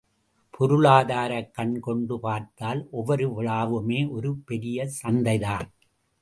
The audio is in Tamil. பொருளாதாரக் கண் கொண்டு பார்த்தால் ஒவ்வொரு விழாவுமே ஒரு பெரிய சந்தைதான்.